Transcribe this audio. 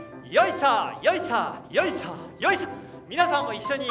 皆さんも一緒に。